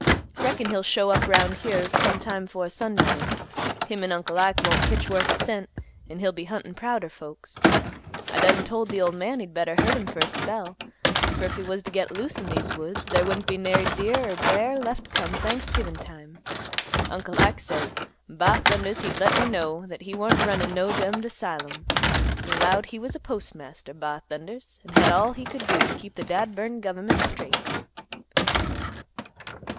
Reckon he'll show up 'round here sometime 'fore sun down. Him an' Uncle Ike won't hitch worth a cent an' he'll be huntin' prouder folks. I done told th' old man he'd better herd him fer a spell, fer if he was t' get loose in these woods, there wouldn't be nary deer er bear left come Thanksgivin' time. Uncle Ike said 'Ba thundas!' he'd let me know that he warn't runnin' no dummed asylum. He 'lowed he was postmaster, 'Ba thundas!' an' had all he could do t' keep th' dad burned gov'ment straight."